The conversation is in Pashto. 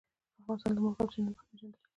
افغانستان د مورغاب سیند له مخې پېژندل کېږي.